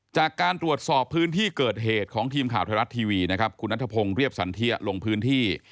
จากการตรวจสอบพื้นที่เกิดเหตุของทีมข่าวไทยรัฐทีวีนะครับคุณนัทพงศ์เรียบสันเทียลงพื้นที่